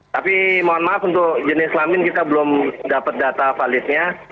tapi mohon maaf untuk jenis lamin kita belum dapat data validnya